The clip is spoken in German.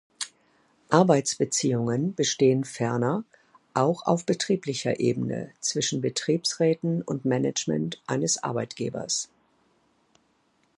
Arbeitsbeziehungen bestehen ferner auch auf betrieblicher Ebene zwischen Betriebsräten und Management eines Arbeitgebers.